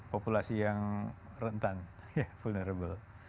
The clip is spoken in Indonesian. populasi yang rentan ya vulnerable